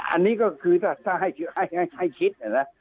อันนี้ก็คือถ้าให้คิดนะ